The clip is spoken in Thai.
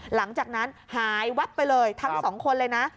หลังจากนั้นหายวับไปเลยทั้งสองคนเลยนะ